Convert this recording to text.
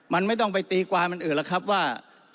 มันไม่ต้องไปตีความมันอื่นแล้วครับว่า